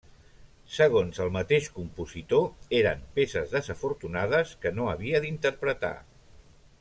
Segons el mateix compositor, eren peces desafortunades que no havia d'interpretar.